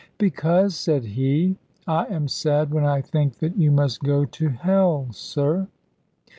"Because," said he, "I am sad when I think that you must go to hell, sir."